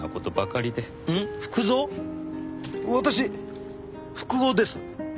私福男です。